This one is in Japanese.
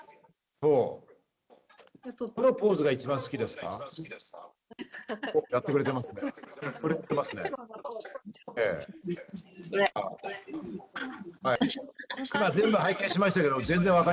どのポーズが一番好きですか？